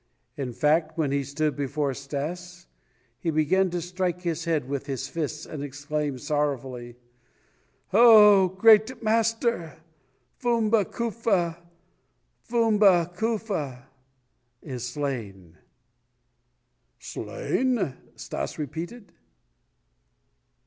In fact, when he stood before Stas, he began to strike his head with his fists and exclaim sorrowfully: "Oh, great master! Fumba kufa! Fumba kufa!" (is slain). "Slain?" Stas repeated.